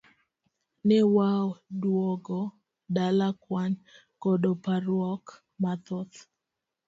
Ne waduogo dala kawan koda parruok mathoth.